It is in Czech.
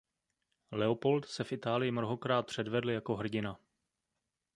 Leopold se v Itálii mnohokrát předvedl jako hrdina.